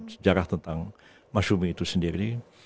sejarah tentang masyumi itu sendiri